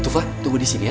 tufan tunggu disini ya